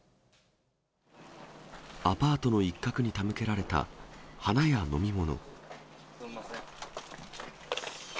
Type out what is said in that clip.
アパートの一角に手向けられた花や飲み物。